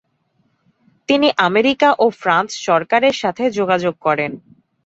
তিনি আমেরিকা ও ফ্রান্স সরকারের সাথে যোগাযোগ করেন।